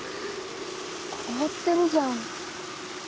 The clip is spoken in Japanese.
凍ってるじゃん。